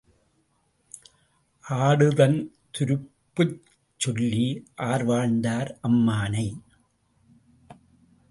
ஆடுதன் துருப்புச் சொல்லி ஆர் வாழ்ந்தார் அம்மானை?